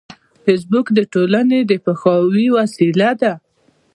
فېسبوک د ټولنې د پوهاوي وسیله ده